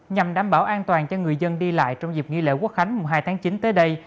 nhằm đảm bảo an toàn cho người dân đi lại trong dịp nghỉ lễ quốc khánh mùng hai tháng chín tới đây